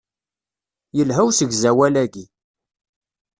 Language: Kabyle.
Yelha usegzawal-agi.